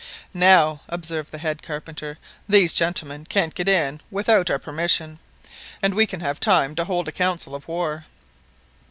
"Now," observed the head carpenter, "these gentlemen can't get in without our permission, and we have time to hold a council of war."